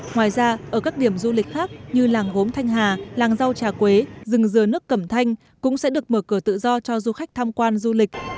ngoài ra ở các điểm du lịch khác như làng gốm thanh hà làng rau trà quế rừng dừa nước cẩm thanh cũng sẽ được mở cửa tự do cho du khách tham quan du lịch